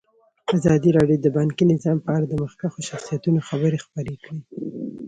ازادي راډیو د بانکي نظام په اړه د مخکښو شخصیتونو خبرې خپرې کړي.